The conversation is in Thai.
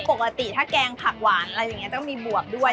ปกติถ้าแกงผักหวานอะไรอย่างนี้ต้องมีบวบด้วย